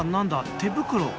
手袋。